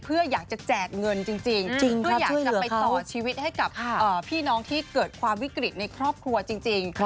เพื่ออยากจะแจกเงินจริงเพื่ออยากจะไปต่อชีวิตให้กับพี่น้องที่เกิดความวิกฤตในครอบครัวจริง